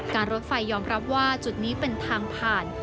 รถไฟยอมรับว่าจุดนี้เป็นทางผ่าน